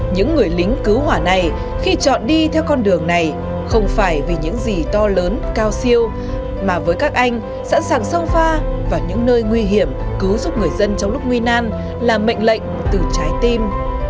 những người lính cứu hỏa này khi chọn đi theo con đường này không phải vì những gì to lớn cao siêu mà với các anh sẵn sàng sâu pha và những nơi nguy hiểm từ trái tim